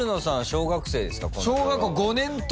小学生ですか？